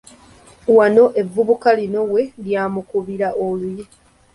Wano evvubuka lino we lyamukubira oluyi.